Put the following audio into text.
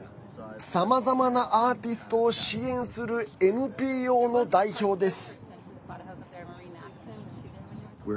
さまざまなアーティストを支援する、ＮＰＯの代表です。